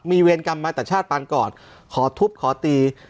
มีเวรกรรมมาแต่ชาติปางก่อนขอทุบขอตี